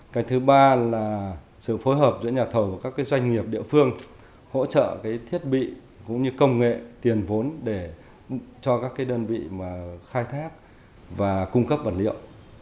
cái thứ ba là sự phối hợp giữa nhà thầu các doanh nghiệp địa phương hỗ trợ cái thiết bị cũng như công nghệ tiền vốn để cho các cái đơn vị mà khai thác và cung cấp vật liệu